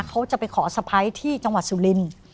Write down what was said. เขาจะไปขอสะพ้ายที่จังหวัดสุรินทร์